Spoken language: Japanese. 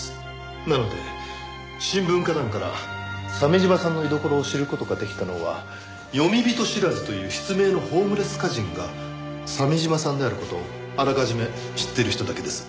なので新聞歌壇から鮫島さんの居所を知る事ができたのは「詠み人知らず」という筆名のホームレス歌人が鮫島さんである事をあらかじめ知っている人だけです。